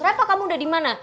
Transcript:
reva kamu udah dimana